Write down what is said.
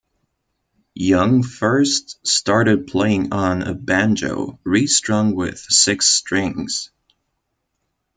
Young first started playing on a banjo, re-strung with six strings.